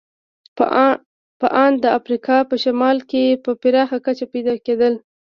په ان د افریقا په شمال کې په پراخه کچه پیدا کېدل.